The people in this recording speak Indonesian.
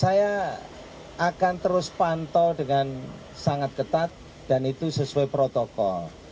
saya akan terus pantau dengan sangat ketat dan itu sesuai protokol